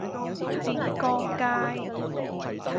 浙江街